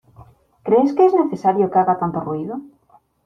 ¿Crees que es necesario que haga tanto ruido?